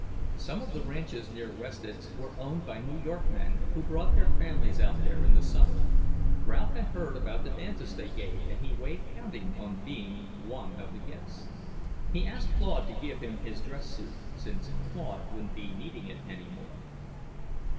Some of the ranches near Wested's were owned by New York men who brought their families out there in the summer. Ralph had heard about the dances they gave, and he way counting on being one of the guests. He asked Claude to give him his dress suit, since Claude wouldn't be needing it any more.